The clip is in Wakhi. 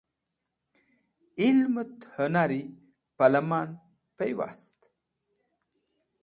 Ilmẽt hũnari pẽ lẽman pẽywast?